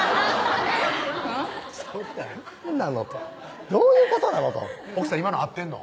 そんな何なの？とどういうことなの？と奥さん今の合ってんの？